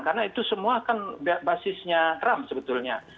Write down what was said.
karena itu semua kan basisnya trump sebetulnya